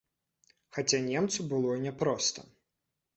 Хаця немцу было няпроста.